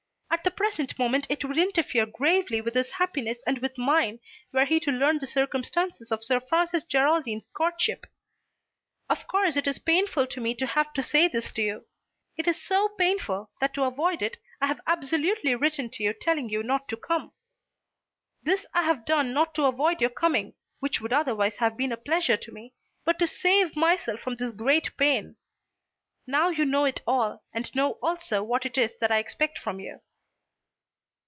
At the present moment it would interfere gravely with his happiness and with mine were he to learn the circumstances of Sir Francis Geraldine's courtship. Of course it is painful to me to have to say this to you. It is so painful that to avoid it I have absolutely written to you telling you not to come. This I have done not to avoid your coming, which would otherwise have been a pleasure to me, but to save myself from this great pain. Now you know it all, and know also what it is that I expect from you."